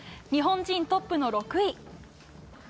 日本人トップの６位。